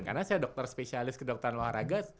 karena saya dokter spesialis kedokteran luar raga